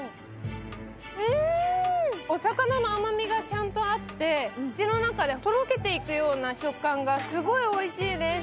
お魚の甘みがちゃんとあって口の中でとろけていく食感がすごいおいしいです。